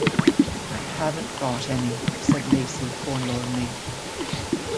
"I haven't got any," said Lacey forlornly.